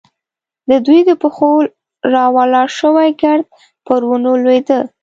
د دوی د پښو راولاړ شوی ګرد پر ونو لوېده.